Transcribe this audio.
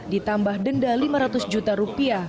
ditambah denda lima ratus juta rupiah